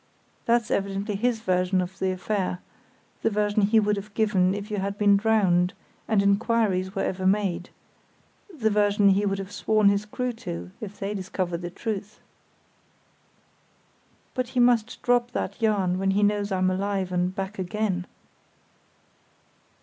That's evidently his version of the affair—the version he would have given if you had been drowned and inquiries were ever made; the version he would have sworn his crew to if they discovered the truth." "But he must drop that yarn when he knows I'm alive and back again."